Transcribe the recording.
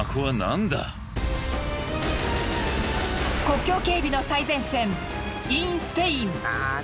国境警備の最前線インスペイン。